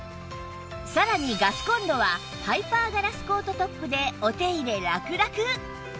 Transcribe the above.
さらにガスコンロはハイパーガラスコートトップでお手入れラクラク